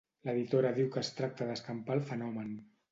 L'editora diu que es tracta d'escampar el fenòmen.